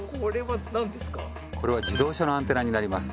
これは自動車のアンテナになります